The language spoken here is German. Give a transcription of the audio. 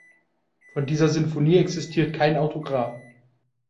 Von dieser Sinfonie existiert kein Autograph.